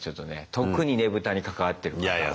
特にねぶたに関わってる方は。